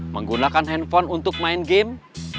menggunakan handphone untuk main game